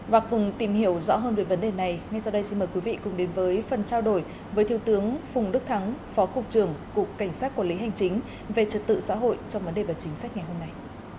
và cùng tìm hiểu rõ hơn về vấn đề này ngay sau đây xin mời quý vị cùng đến với phần trao đổi với thiếu tướng phùng đức thắng phó cục trưởng cục cảnh sát quản lý hành chính về trật tự xã hội trong vấn đề về chính sách ngày hôm nay